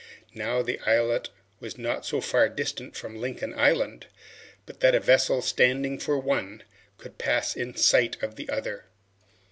Now, the islet was not so far distant from Lincoln Island, but that a vessel, standing for the one, could pass in sight of the other.